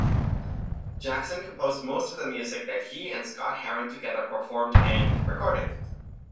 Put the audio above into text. Jackson composed most of the music that he and Scott-Heron together performed and recorded.